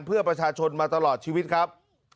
เพื่อประชาชนมาตลอดชีวิตครับ